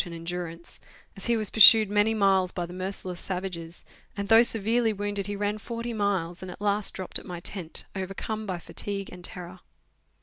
and endurance, as he was pursued many miles by the merciless savages, and, though severely wounded, he ran forty miles, and at last dropped at my tent overcome by fatigue and terror.